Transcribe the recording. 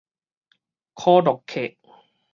箍樂 𤲍